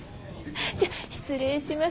じゃあ失礼します。